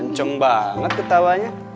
kenceng banget ketawanya